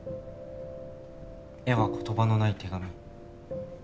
絵は言葉のない手紙